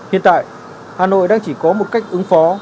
hiện tại hà nội đang chỉ có một cách ứng phó